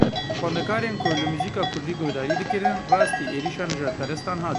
Xwendekarên ku li muzîka kurdî guhdarî dikirin rastî êrişa nijadperestan hatin.